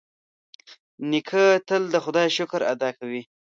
نیکه تل د خدای شکر ادا کوي.